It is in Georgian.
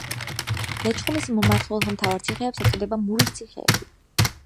ლეჩხუმის მმართველთა მთავარ ციხეებს ეწოდება მურის ციხეები.